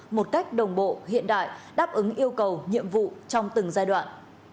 một cách đồng bộ hiện đại đáp ứng yêu cầu nhiệm vụ trong từng giai đoạn